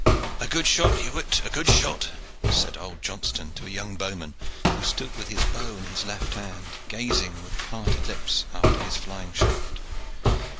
"A good shot, Hewett, a good shot!" said old Johnston to a young bowman, who stood with his bow in his left hand, gazing with parted lips after his flying shaft.